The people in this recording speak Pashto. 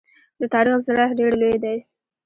د تاریخ زړه ډېر لوی دی.